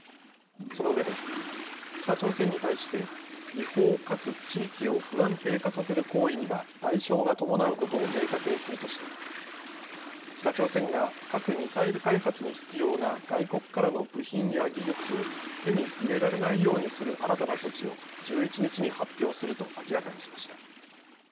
その上で、北朝鮮に対して、違法かつ地域を不安定化させる行為には代償が伴うことを明確にするとして、北朝鮮が核・ミサイル開発に必要な外国からの部品や技術を、手に入れられないようにする新たな措置を、１１日に発表すると明らかにしました。